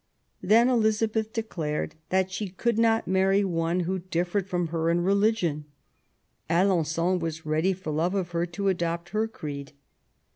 Then Elizabeth declared that she could not marry one who differed from her in religion: Alen9on was ready for love of her to adopt her creed.